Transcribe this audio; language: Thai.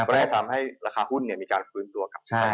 ก็จะทำให้ราคาหุ้นมีการฟื้นตัวกลับมา